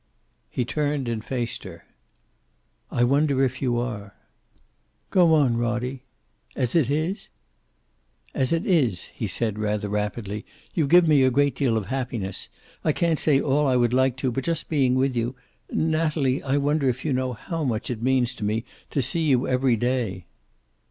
He turned and faced her. "I wonder if you are!" "Go on, Roddie. As it is??" "As it is," he said, rather rapidly, "you give me a great deal of happiness. I can't say all I would like to, but just being with you Natalie, I wonder if you know how much it means to me to see you every day."